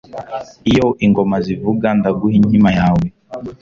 iyo ingoma zivuga ndaguha inkima yawe